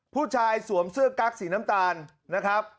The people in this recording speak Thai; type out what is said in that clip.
สวมเสื้อกั๊กสีน้ำตาลนะครับ